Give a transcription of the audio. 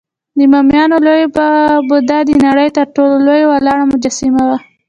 د بامیانو لوی بودا د نړۍ تر ټولو لوی ولاړ مجسمه وه